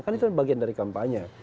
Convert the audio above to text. kan itu bagian dari kampanye